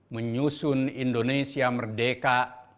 menyusun indonesia merdeka